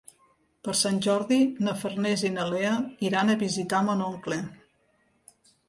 Per Sant Jordi na Farners i na Lea iran a visitar mon oncle.